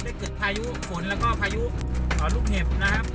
ได้เกิดพายุฝนแล้วก็พายุลูกเห็บนะครับ